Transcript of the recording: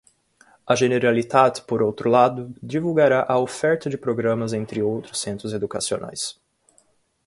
A Generalitat, por outro lado, divulgará a oferta de programas entre os centros educacionais.